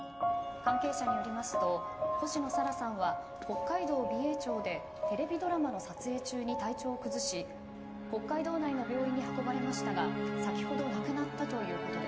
関係者によりますと星野沙羅さんは北海道美瑛町でテレビドラマの撮影中に体調を崩し北海道内の病院に運ばれましたが先ほど亡くなったということです。